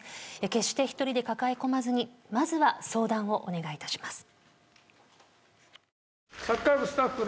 決して、１人で抱え込まずにまずは相談をお願いします。